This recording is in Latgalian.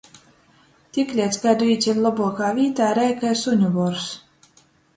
Tikleidz kaidu īceļ lobuokā vītā, rej kai suņu bors.